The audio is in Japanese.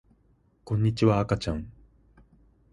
こんにちはあかちゃん